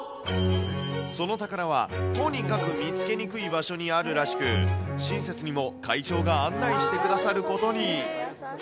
その宝はとにかく見つけにくい場所にあるらしく、親切にも会長が案内してくださることに。